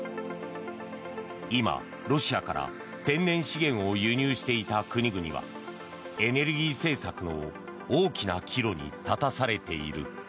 今、ロシアから天然資源を輸入していた国々はエネルギー政策の大きな岐路に立たされている。